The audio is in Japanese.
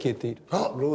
あっ！